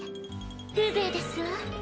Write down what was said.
風情ですわ。